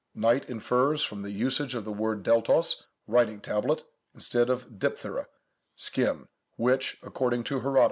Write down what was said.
Knight infers from the usage of the word deltos, "writing tablet," instead of διφθέρα, "skin," which, according to Herod.